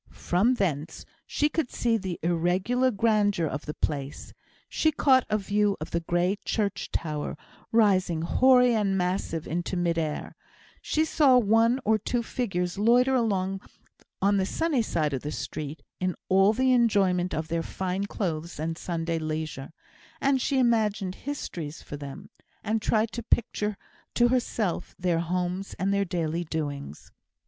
From thence she could see the irregular grandeur of the place; she caught a view of the grey church tower, rising hoary and massive into mid air; she saw one or two figures loiter along on the sunny side of the street, in all the enjoyment of their fine clothes and Sunday leisure; and she imagined histories for them, and tried to picture to herself their homes and their daily doings.